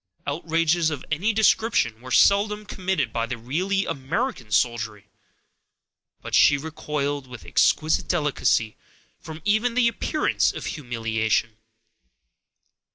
Outrages of any description were seldom committed by the really American soldiery; but she recoiled, with exquisite delicacy, from even the appearance of humiliation.